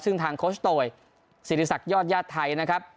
ซึ่งทางโคชโตยศิริษักยอดญาติไทยนะครับ